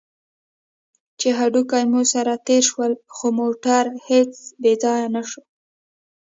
چې هډوکي مو سره تېر شول، خو موټر هېڅ بې ځایه نه شو.